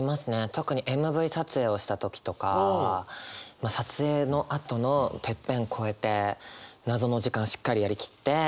特にＭＶ撮影をした時とか撮影のあとのてっぺん越えて謎の時間しっかりやり切って。